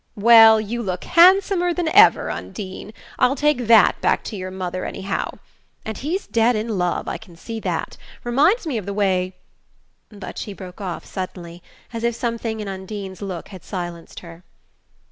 Well, you look handsomer than ever. Undine; I'll take THAT back to your mother, anyhow. And he's dead in love, I can see that; reminds me of the way " but she broke off suddenly, as if something in Undine's look had silenced her.